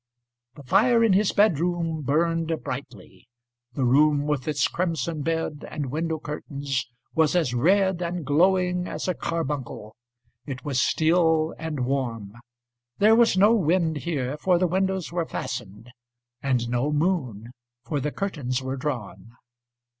The fire in his bedroom burned brightly. The room with its crimson bed and window curtainsWas as red and glowing as a carbuncle.It was still and warm. There was no wind here, for the windows were fastened; And no moon, For the curtains were drawn.